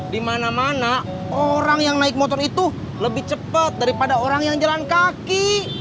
dimana mana orang yang naik motor itu lebih cepet daripada orang yang jalan kaki